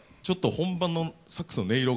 本番のサックスの音色